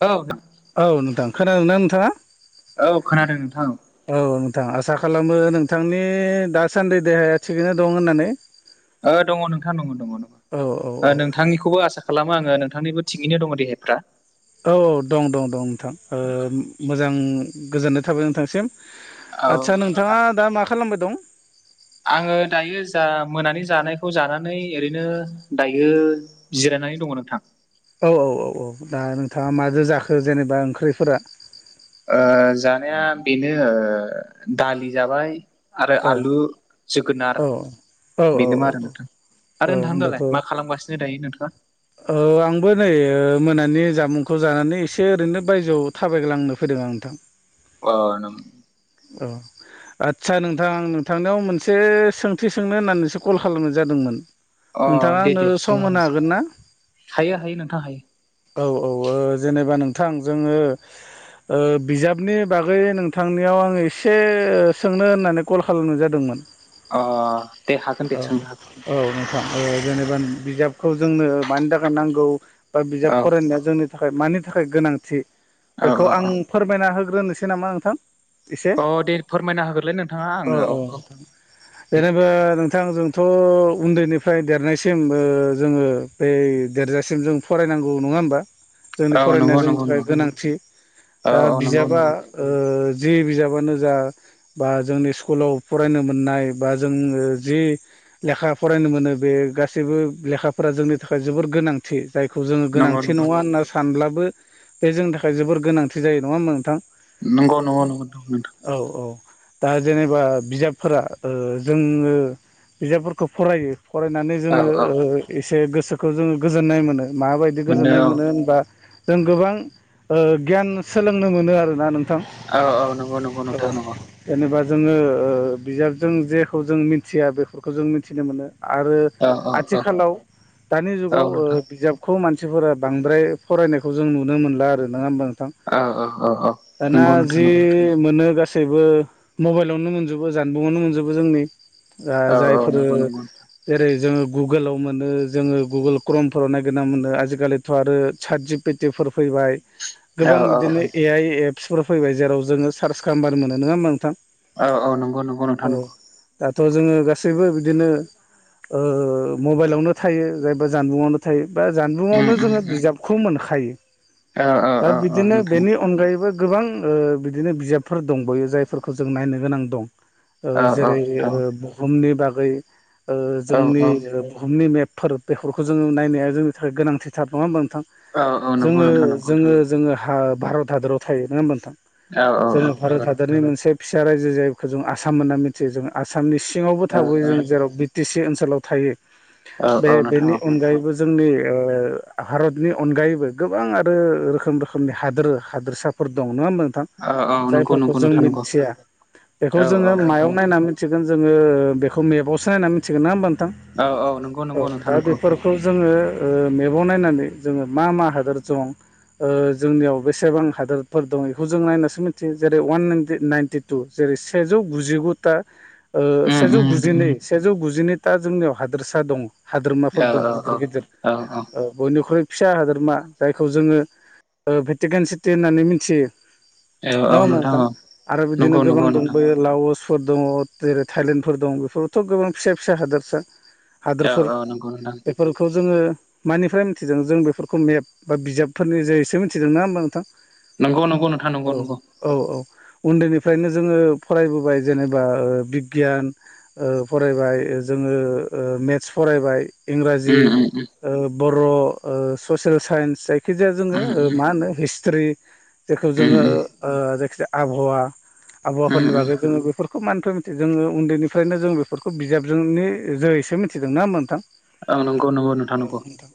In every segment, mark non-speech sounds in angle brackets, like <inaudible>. औ औ नोंथां खोनादोंना नोंथाङा औ खोनादों नोंथां औ नोंथां आसा खालामो नोंथांनि दासान्दि देहाया थिगैनो दं होननानै <inaudible> दङ नोंथां दङ दङ औ औ औ नोंथांनिखौबो आसा खालामो आङो नोंथांनिबो थिगैनो दङ देहाफ्रा औ औ दं दं दं नोंथां मोजां गोजोननाय थाबाय नोंथांसिम औ आतसा नोंथाङा नोंथां दा मा खालामबाय दं आङो दायो जा मोनानि जानायखौ जानानै ओरैनो दायो जिरायनानै दङ नोंथां औ औ औ औ दा नोंथाङा माजो जाखो जेनेबा ओंख्रिफोरा जानाया बेनो दालि जाबाय आरो औ आलु जोगोनार औ औ औ बेनो मा आरो नोंथां औ आरो नोंथां दालाय होमबाथ' मा खालामगासिनो दायो नोंथाङा औ आंबो नै मोनानि जामुंखौ जानानै एसे ओरैनो बायजोआव थाबायग्लांनो फैदों आं नोंथां <inaudible> अ नों औ आदसा नोंथां नोंथांनियाव मोनसे सोंथि सोंनो होननानैसो कल खालामनाय जादोंमोन नोंथाङा दे आंनो दे सोंनो सम होनो हागोन ना हायो हायो नोंथां हायो औ औ औ जेनेबा नोंथां जोङो बिजाबनि बागै नोंथांनियाव आङो एसे सोंनो होननानै कल खालामनाय जादोंमोन अ दे हागोन औ दे सोंनो हागोन दे औ जेनेबा बिजाबखौ जोंनो मानि थाखाय नांगौ बा औ बिजाब फरायनाया जोंनो थाखाय मानि थाखाय गोनांथि औ बेखौ औ आं औ फोरमायना होग्रोनोसै नामा नोंथां एसे अ दे फोरमायना होग्रोलाय नोंथाङा औ आंनो औ दे जेनेबा दे नोंथां जों थ' उन्दैनिफ्राय देरनायसिम जोङो बे देरजासिम जों फरायनांगौ नङा होमबा जोंनि औ फरायनाया नंगौ जोंनि नंगौ थाखाय नंगौ गोनांथि औ दा औ नंगौ बिजाबा नंगौ जि बिजाबानो जा बा जोंनि स्कुलाव फरायनो मोननाय बा जोङो जि लेखा फरायनो मोनो बे गासैबो लेखाफोरा जोंनि नि थाखाय जोबोर गोनांथि जायखौ जोङो नंगौ गोनांथि नंगौ नङा होनना सानब्लाबो बे जोंनि थाखाय जोबोर गोनांथि जायो नङा होमबा नोंथां? नंगौ नंगौ नंगौ नोंथां औ औ दा जेनेबा बिजाबफोरा जोङो बिजाबफोरखौ फरायो फरायनानै औ जोङो औ एसे गोसोखौ जोङो गोजोननाय मोनो माबायदि बिदि गोजोननाय मोनदों मोनो होनबा जों गोबां गियान सोलोंनो मोनो आरोना नोंथां। औ औ नंगौ नंगौ औ नोंथां नंगौ। जेनेबा जोङो बिजाबजों जेखौ जों मिथिया बेफोरखौ जों मिथिनो मोनो आरो औ औ औ आथिखालाव दानि औ जुगाव नोंथां बिजाबखौ मानसिफोरा बांद्राय फरायनायखौ जों नुनो मोनला आरो नङा होमबा नोंथां? औ औ औ औ दाना नंगौ नोंथां जि नंगौ मोनो गासैबो मबाइलावनो मोनजोबो जानबुंावनो मोनजोबो जोंनि ओ औ औ जायफोरो नंगौ नंगौ जेरै जोङो गुगोलाव मोनो। जोङो गुगोल क्रमफोराव नागिरना मोनो आजिखालिथ' आरो सादजि पेटिफोर फैबाय। औ गोबां औ बिदिनो ए आइ एपसफोर फैबाय जेराव जोङो सार्च खालामबानो मोनो नङा होमबा नोंथां? औ औ नंगौ नंगौ औ नोंथां नंगौ। दाथ' जोङो गासैबो बिदिनो मबाइलावनो थायो जायबा जानबुं नाथाय बा जानबुंावनो उम उम जोङो उम बिजाबखौ मोनखायो। औ औ दा औ बिदिनो नोंथां बेनि अनगायैबो गोबां ओ बिदिनो बिजाबफोर दंबावयो जायफोरखौ जों नायनो गोनां दं। ओ औ औ जेरै नोंथां बुहुमनि बागै ओ औ जोंनि बुहुमनि मेप फोरोब बेफोरखौ जोङो नाया जोंनि थाखाय गोनांथिथार नङा होनोमबा नोंथां? औ औ नंगौ जोङो नोंथां नंगौ जोङो जोङो भारत हादराव थायो नङा होमबा नोंथां? औ औ औ जोङो भारत नंगौ हादरनि मोनसे फिसा रायजो जायोखौ जों आसाम होन्ना मिथियो जों आसामनि सिङावबो औ थाबोयो जों जेराव टि सि ओनसोलाव थायो औ बे औ नोंथां बेनि अनगायैबो जोंनि भारतनि अनगायैबो गोबां आरो रोखोम रोखोमनि हादोर हादोरसा। दं नङा होमबा नोंथां औ औ औ नंगौ जायफोरखौ नंगौ जों नोंथां नंगौ मिथिया बेखौ औ औ जोङो नोंथां मायाव नायनानै मिथिगोन जोङो बेखौ मेपावसो नायनानै मिथिगोन ना होमबा नोंथां? औ औ औ नंगौ नोंथां दा नंगौ बेफोरखौ जोङो मेगन नायनानै जोङो मा मा हादोर दं? जोंनियाव बेसेबां हादोरफोर दं बेखौ जों नायनासो मिथियो जेरै वानन नाइनटि। जेरै सेजौ गुजिगुथा ओ उम सेजौ उम गुजिनै सेजौ गुजिनैथा जोंनियाव हादोरसा दङ। औ हाद्रोमाफोर दं औ गिदिर गिदिर औ ओ बयनिख्रुइ फिसा हादोरमा जायखौ जोङो ओ भेटिकेन सिटि होननानै मिथियो। औ औ नङा नोंथां मोंथां औ आरो नंगौ बिदिनो गोबां नंगौ नोंथां दंबोयो। लउसफोर दङ जेरै थाइलेनडफोर दङ बेफोरावथ' गोबां फिसा फिसा हादोरसा। हादोरफोर ओ नंगौ बेफोरखौ जोङो मानिफ्राय मिथिदों जों बेफोरखौ मेप बा बिजाबफोरनि जससेो मिथिदों नङा होमबा नोंथां।? नंगौ नंगौ नोंथां नंगौ औ नंगौ। औ औ उन्दैनिफ्रायनो जोङो फरायबोबाय जेनेबा बिगियान। ओ फरायबाय जोङो मेथ्स फरायबाय इंराजि उम उम बर' ससियेल साइन्स जायखि जायखिजाया उम जोङो मा होनो हिस्ट्रि जेखौ उम जोङो ओ जायखिजाया आबहावा उम आबहावाफोरनि उम बागै जोङो बेफोरखौ मानोथ मिथियो जोङो उन्दैनिफ्रायनो जों बेफोरखौ बिजाबजोंनि जोैसो मिथि <unintelligible> नोङा होमबा नोंथां? औ नंगौ नंगौ औ नंगौ नोंथां।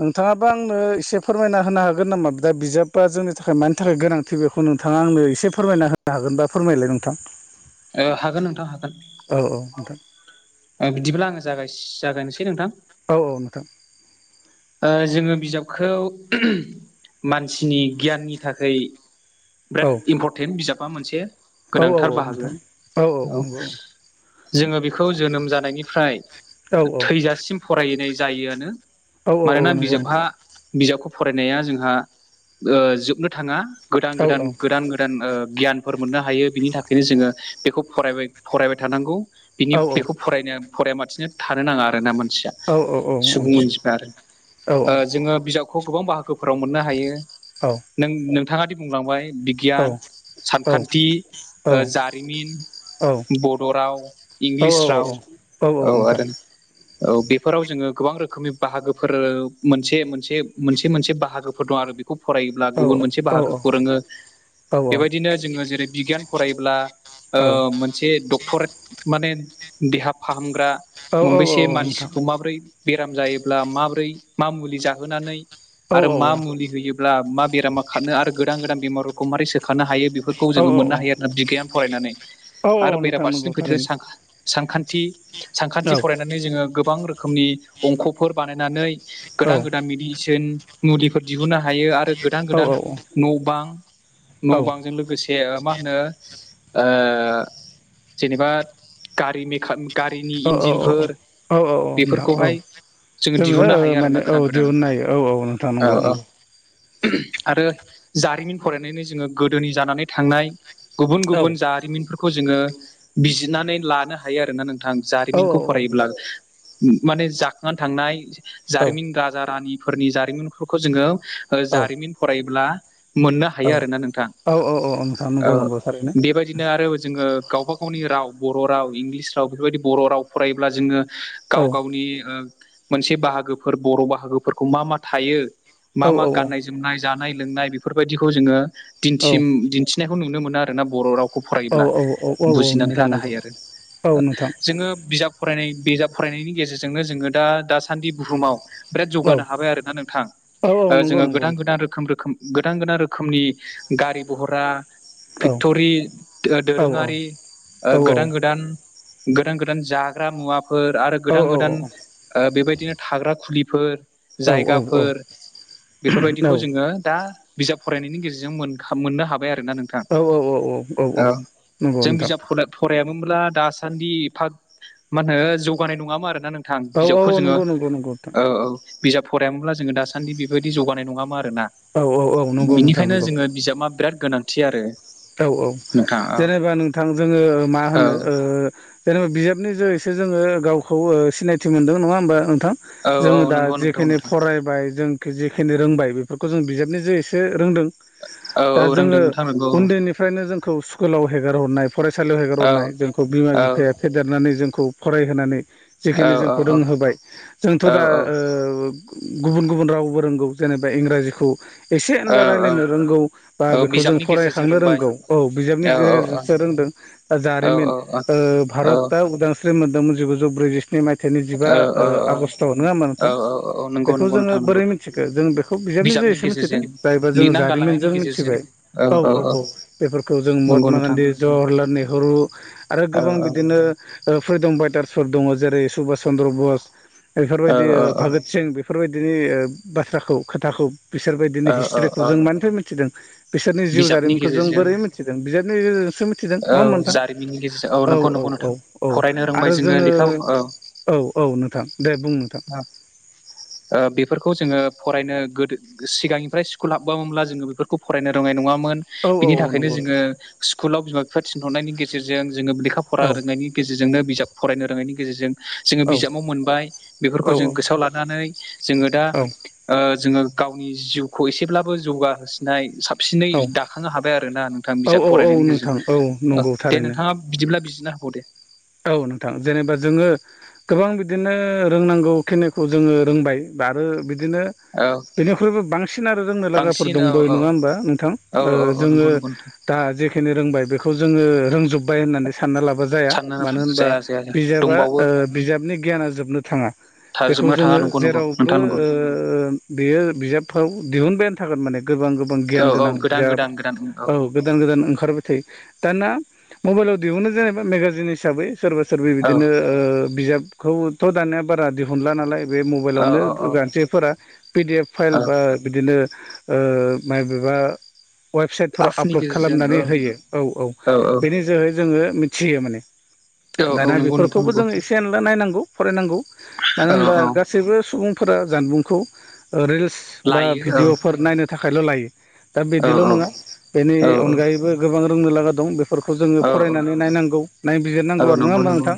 नोंथाङाबो आंनो एसे फोरमायना होनो हागोन नामा? दा बिजाबा जोंनि थाखाय मानि थाखाय गोनां थि बेखौ नोंथाङा आंनो एसे फोरमायना होनो हागोन बा फोरमायलाय नोंथां। औ हागोन नोंथां हागोन। औ औ नोंथां ओ बिदिब्ला आङो जागायस जागायनोसै नोंथां। औ औ नोंथां। ओ जोङो बिजाबखौ मानसिनि गियाननि थाखै औ बिराद इम्परटेन्ट बिजाबा मोनसे। औ औ औ गोनांथार बाहागो नोंथां। औ जोङो बिखौ जोनोम जानायनिफ्राय औ थैजासिम फरायनाय जायोआनो। औ मानोना औ नंगौ बिजाबहा नोंथां बिजाबखौ फरायनाया जोंहा ओ जोबनो थाङा गोदान औ गोदान गोदान गोद गोदान ओ गियानफोर मोननो हायो। बिनि थाखायनो जोङो बेखौ फरायबाय फरायबाय थानांगौ। बिनि औ बेखौ फरायनो फराया माथिनो थानो नाङा आरोना मानसिया। औ औ नोंथां औ नोंथां औ नोंथां औ नोंथां औ सुबुं अनजिफा आरो। ओ जोङो बिजाबखौ गोबां बाहागोफोराव मोननो हायो। औ। नों नोंथाङा दि बुंलांबाय बिगियान औ सानखान्थि ओ जा इन बड' राव इंलिस राव औ आरो न <inaudible> औ बेफोराव जोङो गोबां रोखोमनि बाहागोफोर मोनसे मोनसे मोनसे मोनसे बाहागोफोर दं आरो। बे खौ फरायोब्ला गुबुन मोनसे बाहागोखौ रोङो। बेबायदिनो जोङो जेरै बिगियान फरायोब्ला ओ मोनसे डक्टरेट माने देहा फाहामग्रा मोमबैसे मानसिखौ माबोरै बेराम जायोब्ला माबोरै मा मुलि जाहोनानै आरो मा मुलि होयोब्ला मा बेरामा खारनो आरो गोदान गोदान बेमारफोरखौ मारै सोखानो हायो बे फोरखौ जोङो मोननो हायो औ आरोना बिगियान फरायनानै आरो औ नोंथां बेराफारसेथि नंगौ फिथेरो थारैनो सानखा सानखान्थि। सानखान्थि औ फरायनानै जोङो गोबां रोखोमनि अंख'फोर बानायनानै औ गोदान गोदान मिडिसोन मुलिफोर दिहुननो हायो आरो गोदान औ गोदान औ औ न' बां औ न' बांजों लोगोसे ओ मा होनो? ओ जेनेबा गारि मेखा गारिनि औ इन्जिनफोर औ औ औ नोंथां औ बेफोरखौहाय जोङो दिहुननो ओ हायो माने आरोना औ गोदान गोदान। दिहुननो हायो औ नोंथां औ नंगौ औ। नंगौ आरो जारिमिन फरायनानैनो जोङो गोदोनि जानानै थांनाय गुबुन औ गुबुन जारिमिनफोरखौ जोङो बिजिरनानै लानो हायो आरोना नोंथां औ जारिमिनखौ फरायोब्ला। माने जाखांनानै थांनाय औ जारिमिन राजा रानिफोरनि जारिमिनफोरखौ जोङो ओ औ जारिमिन फरायोब्ला मोननो हायो आरोना नोंथां। औ औ नोंथां नंगौ ओ नंगौ थारैनो बेबाय दिनो आरो जोङो गावबा गावनि राव बर' राव इंलिस राव बेफोरबायदि बर' राव फरायोब्ला जोङो औ गाव गावनि ओ मोनसे बाहागोफोर बर' बाहागोफोरखौ मा मा थायो मा औ मा गाननाय जोमनाय जानाय लोंनाय बेफोरबायदिखौ जोङो औ दिन्थिम दिन्थि थिनायखौ नुनो मोन आरो ना बर' राव खौ फरायोब्ला औ औ औ औ बुजिनानै नोंथां लानो नंगौ हायो आरो। औ नोंथां जोङो बिजाब फरायनाय बिजाब फरायनायनि गेजेरजोंनो जोङो दा दासान्दि बुहुमाव बिराद औ जौगानो हाबाय आर ना नोंथां। औ औ ओ नंगौ जोङो नंगौ गोदान नोंथां गोदान रोखोम रोखोम गोदान गोदान रोखोमनि गारि भहरा औ फेक्टरि दो औ दोरोङारि ओ औ गोदान गोदान गोदान गोदान जाग्रा मुवा फोर आरो औ गोदान गोदान ओ बेबायदिनो थाग्रा खुलिफोर जायगाफोर बेफोरबायदिखौ जोङो दा बिजाब फरायनायनि गेजेरजों मोन खा मोननो हाबाय आरो ना नोंथां। औ औ औ औ। ओं नंगौ जों नोंथां बिजाब फनो फराया मोमब्ला दासान्दि एफाग मानो जौगानाय नङामो आरना नों थां औ औ बिजाबखौ औ जोङो नंगौ नंगौ नंगौ नोंथां ओ औ बिजाब फरायामोनब्ला जोङो दासान्दि बेबायदि जौगानाय नङामा आरोना औ औ औ नंगौ नोंथां बिनिखायनो नंगौ जोङो बिजाबा बिराद गोनांथि आरो औ औ नोंथां औ जेनेबा नोंथां जोङो मा औ होनो ओ जेनेबा बिजाबनि जैसो जोङो गावखौ सिनायथि मोनदों नङा होमबा नोंथां? औ औ जोङो दा नंगौ नोंथौ जेखिनि नोंथां फरायबाय जों जिखिनि रोंबाय बेफोरखौ जों बिजाबनि जे एसे रोंदों औ दा औ जोङो रोंदों नोंथां रोंगौ निफ्रायनो जोंखौ स्कुलाव हेगार हरनाय फरायसालियाव औ हेगारहरनाय जोंखौ बिमा औ बिफाया फेदेरनानै जोंखौ फरायहोनानै औ जिखिनि जोंखौ औ औ रोंहोबाय जोंथ' दा गुबुन गुबुन रावबो रोंगौ जेनेबा इंराजिखौ एसे औ एनला औ रायज्लायनो रोंगौ बा औ बेखौ जों बिजाबनि गेजेरजों फरायखांनो रोंबाय रोंगौ औ बिजाबनि औ औ गेजेरसो रोंदों। औ जारिमिन भारतआ उदांस्रि मोनदोंमोन जिगुजौ ब्रैजि ै मायथाइनि जिबा औ आगष्टआव नङा होमबा औ नोंथां नंगौ बेखौ नंगौ जोङो नोंथां नंगौ बोरै मिथि थिखो जों बेखौ बिजाबनिजों बिजाबनि एसे मिथिदों गेजेरजों जायबा जोङो जारिमिनजों मिथिबाय। औ औ औ बेफोरखौ जों नंगौ महात्मा नोंथां गान्धी जवाहरलाल नेहरु आरो औ गोबां बिदिनो फै दं बाइटार्सफोर दङ जेरै सुबास चन्द्र बस औ बेफोरबायदि भागत जों बेफोरबायदिनो बाथ्राखौ खोथाखौ बिसोरबायदिनो औ औ हिस्ट्रिखौ औ जों मानिफ्रायथि बे बिसोरनि जिउ बिजाबनि जारिमिनखौ जों गेजेरजों बोरै मिथिदों बिजोरनि गेजेरजोंसो मिथिदों औ नङा हथां जारिमिननि गेजेरजों औ नंगौ औ नंगौ औ। नोंथां औ फरायनो रोंबाय आरो जोङो लेखा औ औ औ नोंथां दे बुं नोंथां। औ बेफोरखौ जोङो फरायनो गोदो सिगांनिफ्राय स्कुल हाबबोनब्ला जोङो बेफोरखौ फरायनो रोनाय नङामोन। औ औ बिनि औ थाखायनो नंगौ जोङो नोंथां स्कुलाव बिमा बिफा थिनहरनायनि गेजेरजों जोङो लेखा फरा औ रोंनायनि गेजेरजोंनो बिजाब फरायनो रोनायनि गेजेरजों जोङो औ बिजाबाव मोनबाय। औ बेफोरखौ औ जों गोसोआव लानानै जोङो दा जोङो गावनि जिउखौ एसेब्लाबो जौगाहोसिननाय साबसिनै औ दाखांनो हाबाय आरो ना नोंथां औ बिजाब औ औ बररायनायनि नोंथां औ गेजेरजों नंगौ दे थारैनो नोंथाङा बिदिब्ला बिनो होबाव दे। औ नोंथां जेनेबा जोङो गोबां बिदिनो रोंनांगौ खिनिखौ जोङो रोंबाय बा‌आरो बिदिनो औ बेनिख्रुइबो बांसिन आरो रोंनो लागाफोर बांसिन औ दंबो औ नङा होमबा नोंथां? औ औ औ जोङो नंगौ नंगौ नोंथां दा जेखिनि रोंबाय बेखौ जोङो रोंजोब्बाय होननानै सानना लाबा जाया। सानना मानो होनबा जाया जाया बिजाबा दंबावो बिजाबनि गियाना जोबनो थाङा। बेखौ थारजोबनो थाङा जोङो नंगौ नंगौ जेरावबो नोंथां नंगौ बेयो बिजाबफ्राव दिहुनबायानो थागोन माने गोबां गोबां गियान औ औ गोनां गोदान जा गोदान गोदान औ गोदान गोदान ओंखारबाय थायो दाना मबाइलाव दिहुननो जेनेबा मेगाजिन हिसाबै सोरबा सोरबि औ बिदिनो बिजाबखौथ' दानिया बारा दिहुनला नालाय। बे औ मबाइलावनो औ औ गानसेफोरा पिडि एफ फाइल औ बा बिदिनो माइ बेबा वेबसाइटफोराव आखुनि आपलड गेजेरजों औ खालामनानै होयो औ औ बेनि जोहै जोङो मिथियो माने औ औ दाना नंगौ नोंथां बेफोरखौबो नंगौ जों एसे एनला नायनांगौ फरायनांगौ मानो औ होनबा औ गासैबो सुबुं फोर जानबुंखौ रिल्स बा लायो औ भिडिअ'फोर नायनो थाखायल' लायो। दा औ बिदिल' औ नङा बेनि औ अनगायैबो गोबां रोंनो लागा दं बे फोरखौ जोङो औ फरायनानै नायनांगौ औ नायबिजिरनांगौ आरो नङा नंगौ होमबा नंगौ नोंथां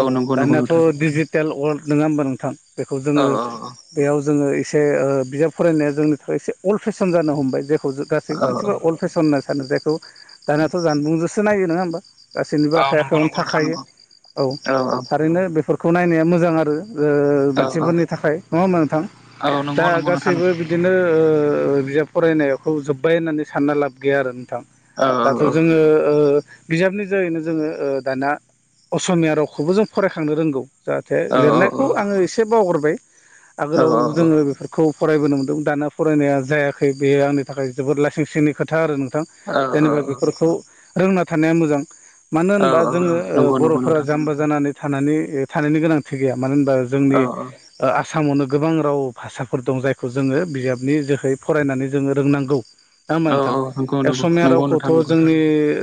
औ नंगौ नंगौ दानियाथ' नोंथां डिजिटेल वर्ल्ड नङा होमबा नोंथां बेखौ औ जोङो बेयाव जोङो एसे बिजाब फरायनाया जोंनि थाखाय एसे अल्ड फेसन जानो हमबाय जे गासैबो औ मानफफोर अल्ड फेसन होनना सानो जायखौ दानियाथ' जानबुंजोंसो नायो नङा होमबा? गासैनिबो औ आखाइ नंगौ आखायावनो नंगौ नोंथां थाखायो नंगौ औ। ओरैनो बेफोरखौ नायनाया मोजां आरो। औ औ मानसिफोरनि थाखाय नङा होनबा नोंथां औ दा नंगौ नंगौ नोंथां गासैबो नंगौ बि बिदिनो बिजाब फरायनायखौ जोब्बाय होननानै सानना लाब गैया आरो नोंथां औ दाथ' जोङो बिजाबनि जहैनो जोङो दाना असमिया रावखौबो जों फरायखांनो रोंगौ जाहाथे औ लिरनायखौ आङो एसे बावगारबाय औ आगोलाव जोङो बेफोर खौ फरायबोनो मोन्दों दाना फरायनाया जायाखै बेयो आंनि थाखाय जोबोद लाइसिं सिंनि खोथा आरो नोंथां औ जेनेबा बेफोरखौ रोंना थानाया मोजां मानो होनबा औ जोङो नंगौ नंगौ बर'फोरा नोंथां जाम्बा जानानै थानानै थानायनि गोनांथि गैया मानो होनबा जोंनि औ औ आसामावनो गोबां राव भाषाफोर दं जायखौ जोङो बिजाबनि जोहै फरायनानै जोङो रोंनांगौ ना होमबा औ नोंथां औ नंगौ नंगौ असमिया नंगौ रावखौथ' नोंथां नंगौ जोंनि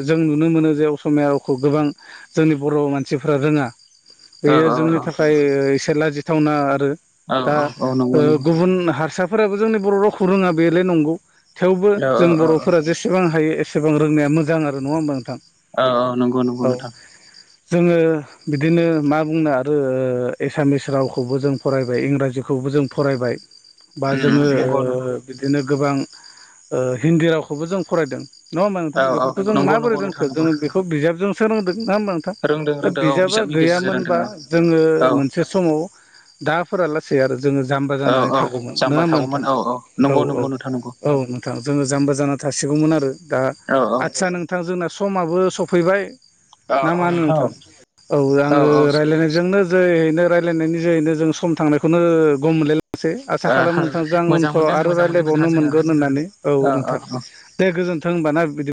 जों नुनो मोनो जे असमिया रावखौ गोबां जोंनि बर' मानसिफ्रा रोङा बियो औ औ जोंनि औ थाखाय एसे लाजिथावना आरो औ दा औ औ नंगौ नंगौ गुबुन हारसा फोराबो जोंनि बर' रावखौ रोङा बेले नंगौ थेवबो औ जों औ बर'फोरा जे एसेबां हायो एसेबां रोंनाया मोजां आरो नङा होमबा नोंथां औ औ नंगौ नंगौ औ नोंथां जोङो बिदिनो मा बुंनो आरो एसामिस रावखौबो जों फरायबाय इंराजिखौबो जों फरायबाय बा उम जोङो ओ नंगौ नंगौ बिदिनो गोबां हिन्दी रावखौबो जों फरायदों। नङा होमबा नोंथां औ औ बेफोरखौ जों नंगौ नंगौ नोंथां माबोरैोनखो नंगौ बेखौ बिजाबजों सोंदों नङा होनबा रोंदों दा रोंदों औ बिजाबा बिजाबनि गेजेरजों रोंदों गैयामोनबा औ जोङो औ मोनसे समाव दा फोरालासै आरो जोङो जाम्बा औ जानानै औ थागौमोन नङा जाम्बा होमबा थागौमोन नोंथां औ औ नंगौ औ नंगौ नोंथां नंगौ औ नोंथां जोङो जाम्बा जाना थासिगौमोन आरो दा औ आदसा नोंथां जोंना समाबो सफैबाय। औ ना औ मा होनो नोंथां औ आङो रायज्लायनायजोंनो जोैनो रायलायनायनि जोहैनो जों सम थांनायखौनो गम मोनलाय नोसै आसा खालामो नोंथांजों आं मोजां उनखौ मोनदों आरो मोजां मोनदों नोंथां रायज्लायबावनो जोङो मोनगोन होननानै औ नोंथां दे गोजोनथों होनबाना बिदि